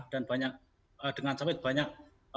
dan banyak dengan sawit banyak